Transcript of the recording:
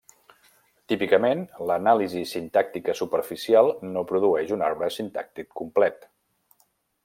Típicament, l'anàlisi sintàctica superficial no produeix un arbre sintàctic complet.